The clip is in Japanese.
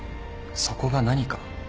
そこが何か？